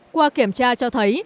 qua kiểm tra cho thấy